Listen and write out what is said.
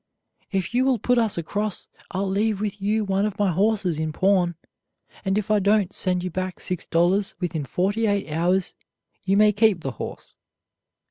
"If you will put us across, I'll leave with you one of my horses in pawn, and if I don't send you back six dollars within forty eight hours you may keep the horse."